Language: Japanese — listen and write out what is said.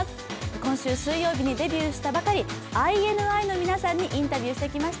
今週水曜日にデビューしたばかり、ＩＮＩの皆さんにインタビューしてきました。